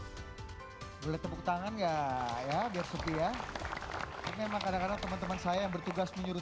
hai boleh tepuk tangan ya ya biar sepi ya memang kadang kadang teman teman saya bertugas menyuruh